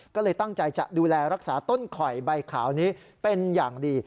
ก็เลยตั้งใจจะดูแลรักษาต้นข่อยใบขาวนี้เป็นอย่างดี